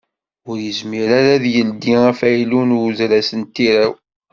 Ur yezmir ara ad d-yeldi afaylu n udras n tirawt.